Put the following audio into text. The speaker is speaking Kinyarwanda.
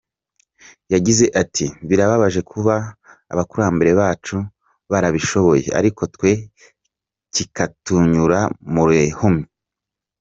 Yagize ati “Birababaje kuba abakurambere bacu barabishoboye ariko twe kikatunyura mu rihumye.